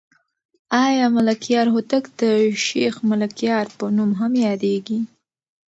آیا ملکیار هوتک د شیخ ملکیار په نوم هم یادېږي؟